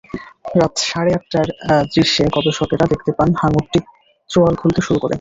রাত সাড়ে আটটার দৃশ্যে গবেষকেরা দেখতে পান, হাঙরটির চোয়াল খুলতে শুরু করে।